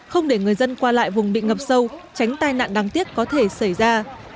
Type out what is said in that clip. không để người dân qua lại vùng bị ngập sâu tránh tai nạn đáng tiếc có thể xảy ra